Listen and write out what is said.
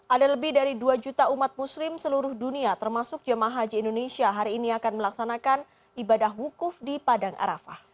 ada lebih dari dua juta umat muslim seluruh dunia termasuk jemaah haji indonesia hari ini akan melaksanakan ibadah wukuf di padang arafah